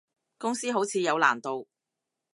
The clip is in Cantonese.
公司好似有難度